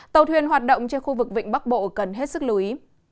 tàu thuyền hoạt động trên khu vực vịnh bắc bộ cần hết sức lưu ý